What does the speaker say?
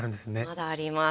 まだあります。